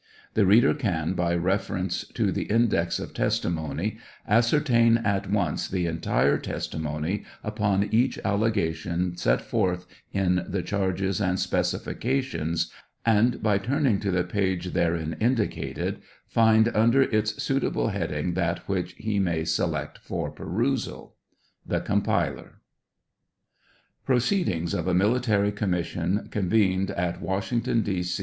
The reader can, by refer ence to the index of testimony, ascertain at once the entire testimony upon each allegation set forth in the charges and specifications, and by turning to the page therein indicated find under its suitable heading that which he may select for perusal. THE COMPILER. Proceedings of a military commission, convened at Washington, D.